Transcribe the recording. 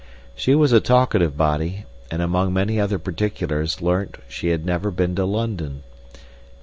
She was a talkative body, and among many other particulars I learnt she had never been to London.